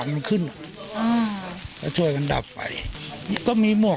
ส่วนนางสุธินนะครับบอกว่าไม่เคยคาดคิดมาก่อนว่าบ้านเนี่ยจะมาถูกภารกิจนะครับ